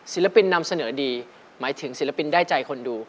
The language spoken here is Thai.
ศิลปินนำเสนอดีหมายถึงศิลปินได้ใจคนดู